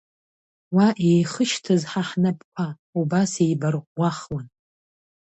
Уа еихышьҭыз ҳа ҳнапқәа, Убас еибарӷәӷәахуан.